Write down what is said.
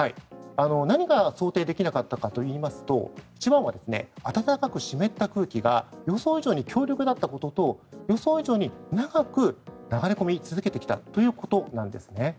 何が想定できなかったかといいますと一番は暖かく湿った空気が予想以上に強力だったことと予想以上に長く流れ込み続けてきたということです。